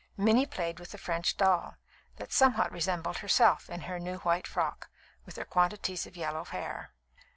Minnie played with a French doll, that somewhat resembled herself in her new white frock, with her quantities of yellow hair.